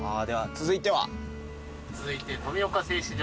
続いて。